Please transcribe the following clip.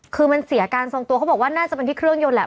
คือมันเสียการทรงตัวเขาบอกว่าน่าจะเป็นที่เครื่องยนต์แหละ